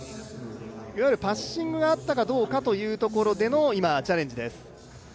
いわゆるパッシングがあったかどうかというところでの今、チャレンジです。